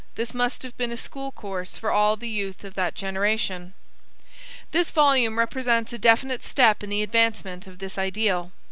This must have been a school course for all the Youth of that generation." This volume represents a definite step in the advancement of this ideal.